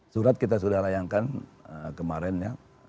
surat kita sudah layangkan kemarin ya